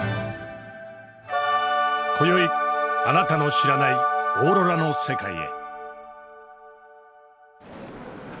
今宵あなたの知らないオーロラの世界へ。